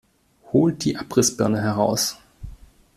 Holt die Abrissbirne heraus!